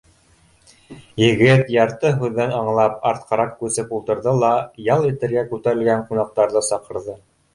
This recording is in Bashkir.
Егет, ярты һүҙҙән аңлап, артҡараҡ күсеп ултырҙы ла ял итергә күтәрелгән ҡунаҡтарҙы саҡырҙы: